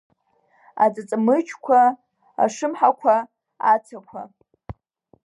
Аҵаҵмыџьқәа, ашымҳақәа, ацақәа.